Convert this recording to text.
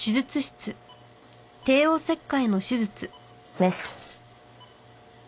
メス。